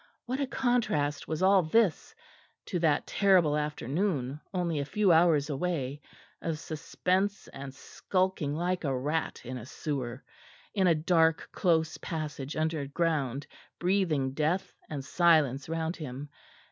What a contrast was all this to that terrible afternoon, only a few hours away of suspense and skulking like a rat in a sewer; in a dark, close passage underground breathing death and silence round him!